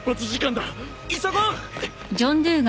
急ごう！